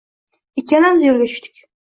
Ikkalamiz yo‘lga tushdik.